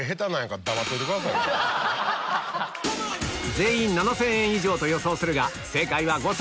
全員７０００円以上と予想撃沈！